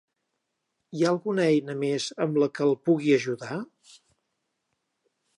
Hi ha alguna eina més amb la que el pugui ajudar?